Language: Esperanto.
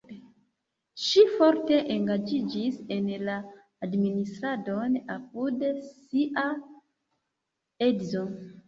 Ŝi forte engaĝiĝis en la administradon apud sia edzo.